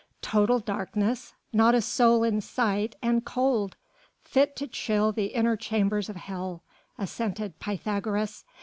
"Total darkness, not a soul in sight, and cold! fit to chill the inner chambers of hell," assented Pythagoras.